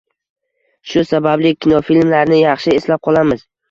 Shu sababli kinofilmlarni yaxshi eslab qolamiz